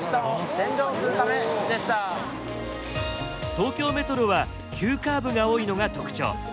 東京メトロは急カーブが多いのが特徴。